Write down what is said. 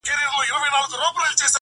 خدايه ما وبخښې په دې کار خجالت کومه~